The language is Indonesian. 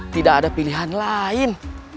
tidak ada pilihan lain